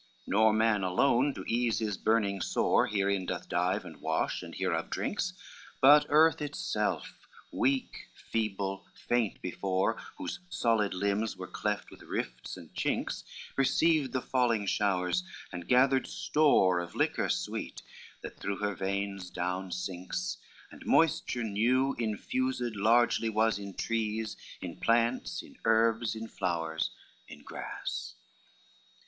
LXXVIII Nor man alone to ease his burning sore, Herein doth dive and wash, and hereof drinks, But earth itself weak, feeble, faint before, Whose solid limbs were cleft with rifts and chinks, Received the falling showers and gathered store Of liquor sweet, that through her veins down sinks, And moisture new infused largely was In trees, in plants, in herbs, in flowers, in grass.